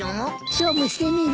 勝負してみる？